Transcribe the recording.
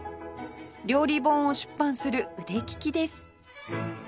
料理本を出版する腕利きです